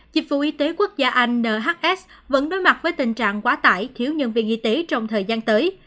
dịch vụ y tế quốc gia anh nhs vẫn đối mặt với tình trạng quá tải thiếu nhân viên y tế trong thời gian tới